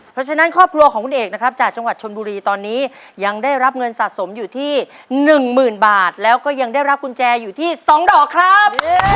เพราะฉะนั้นครอบครัวของคุณเอกนะครับจากจังหวัดชนบุรีตอนนี้ยังได้รับเงินสะสมอยู่ที่๑๐๐๐บาทแล้วก็ยังได้รับกุญแจอยู่ที่๒ดอกครับ